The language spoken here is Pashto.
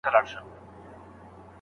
هغه نجلۍ خپله موخه ولیکله.